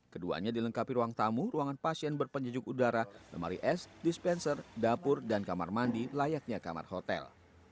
keduanya dilengkapi ruang tamu ruangan pasien berpenjejuk udara lemari es dispenser dapur dan kamar mandi layaknya kamar hotel